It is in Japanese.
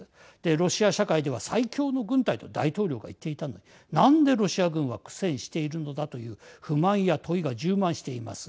ロシア社会では最強の軍隊と大統領が言っていたのになんでロシア軍は苦戦しているのだという不満や問いが充満しています。